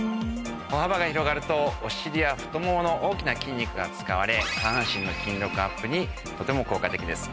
歩幅が広がるとお尻や太ももの大きな筋肉が使われ。にとても効果的です。